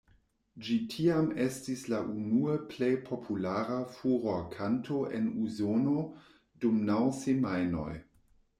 Ĝi tiam estis la unue plej populara furorkanto en Usono dum naŭ semajnoj.